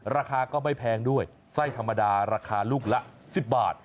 ราคาก็ไม่แพงด้วยไส้ธรรมดาราคาลูกละ๑๐บาท